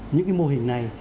những mô hình này